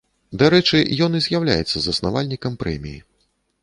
Дарэчы, ён і з'яўляецца заснавальнікам прэміі.